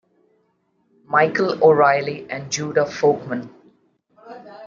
Michael O'Reilly and Judah Folkman.